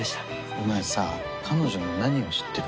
お前さ、彼女の何を知ってる？